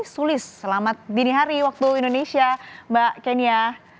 sulis selamat dini hari waktu indonesia mbak kenia